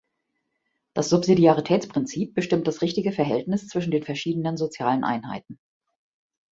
Das Subsidiaritätsprinzip bestimmt das richtige Verhältnis zwischen den verschiedenen sozialen Einheiten.